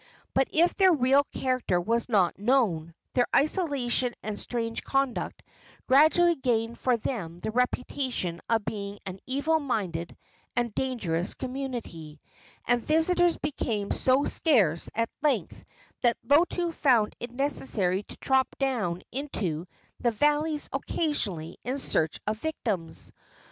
But if their real character was not known, their isolation and strange conduct gradually gained for them the reputation of being an evil minded and dangerous community, and visitors became so scarce at length that Lotu found it necessary to drop down into the valleys occasionally in search of victims.